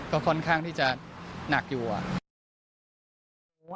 ก็ค่อนข้างที่จะหนักอยู่อะ